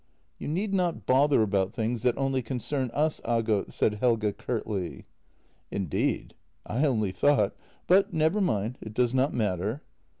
" You need not bother about things that only concern us, Aagot," said Helge curtly. "Indeed? I only thought — but never mind; it does not matter."